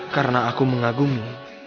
karena aku mengagumi